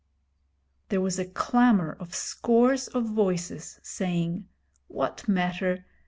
There was a clamour of scores of voices, saying: 'What matter?